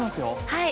はい。